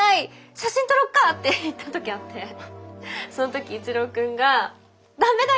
写真撮ろっか」って言った時あってその時一郎君が「ダメだよ！